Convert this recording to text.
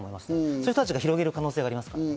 そういう人たちが広げる可能性がありますからね。